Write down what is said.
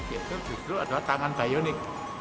itu justru adalah tangan bionik